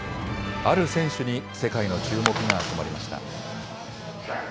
ある選手に世界の注目が集まりました。